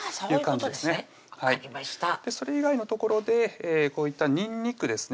分かりましたそれ以外のところでこういったにんにくですね